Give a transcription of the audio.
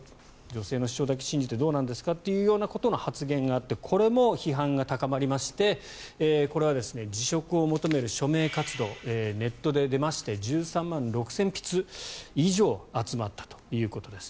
女性の主張だけ信じてどうなんですかというような発言があってこれも批判が高まりましてこれは辞職を求める署名活動がネットで出まして１３万６０００筆以上集まったということです。